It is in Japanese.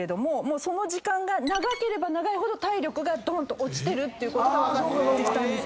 その時間が長ければ長いほど体力がどーんと落ちてることが分かってきたんです。